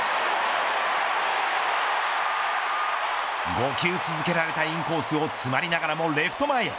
５球続けられたインコースを詰まりながらもレフト前へ。